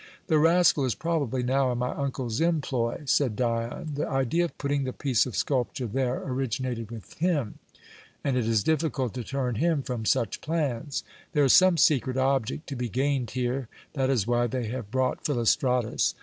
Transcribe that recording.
"The rascal is probably now in my uncle's employ," said Dion. "The idea of putting the piece of sculpture there originated with him, and it is difficult to turn him from such plans. There is some secret object to be gained here. That is why they have brought Philostratus.